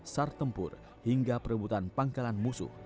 sar tempur hingga perebutan pangkalan musuh